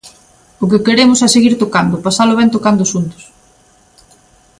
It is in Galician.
O que queremos é seguir tocando, pasalo ben tocando xuntos.